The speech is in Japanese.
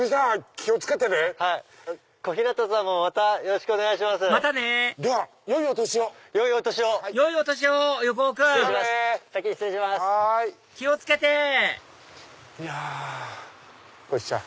気を付けていやこひちゃん。